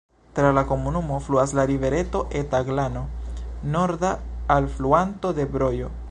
Tra la komunumo fluas la rivereto Eta Glano, norda alfluanto de Brojo.